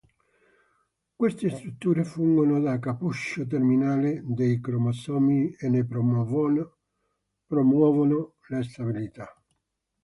Queste strutture fungono da "cappuccio" terminale dei cromosomi e ne promuovono la stabilità.